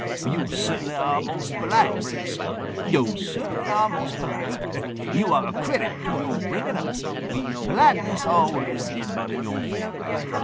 "Yo' cert'nly are most polite, Brer Skunk. Yo' cert'nly are most polite. Yo' are a credit to your bringing up, but politeness always did run in your family.